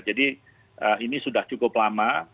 jadi ini sudah cukup lama